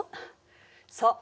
そう。